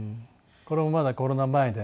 これもまだコロナ前で。